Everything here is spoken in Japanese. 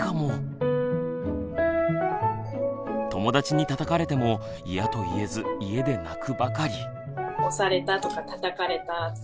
友だちにたたかれてもイヤと言えず家で泣くばかり。